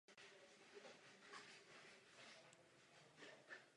Srovnávací a nákupní galerie vedle srovnávání cen zboží nabízejí i různé doplňkové služby.